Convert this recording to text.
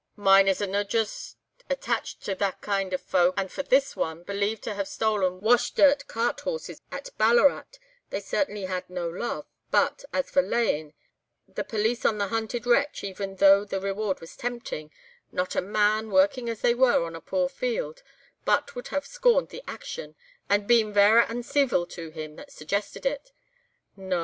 "Miners are no joost attached to thae kind o' folk, and for this one, believed to have stolen wash dirt cart horses at Ballarat, they certainly had no love, but, as for layin' the police on the hunted wretch, even though the reward was tempting, not a man, working as they were on a poor field, but would have scorned the action, and been vara unceevil to him that suggested it. No!